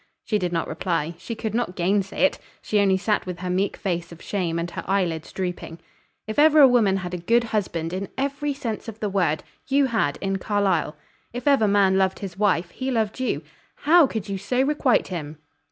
She did not reply; she could not gainsay it; she only sat with her meek face of shame and her eyelids drooping. "If ever a woman had a good husband, in every sense of the word, you had, in Carlyle; if ever man loved his wife, he loved you. How could you so requite him?"